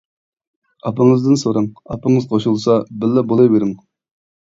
ئاپىڭىزدىن سوراڭ، ئاپىڭىز قوشۇلسا بىللە بولۇۋېرىڭ.